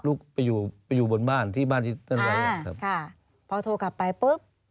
ลูกไปอยู่ไปอยู่บนบ้านที่บ้านที่ท่านไว้อ่ะครับค่ะพอโทรกลับไปปุ๊บ